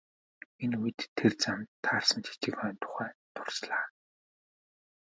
Энэ үед тэр замд таарсан жижиг ойн тухай дурслаа.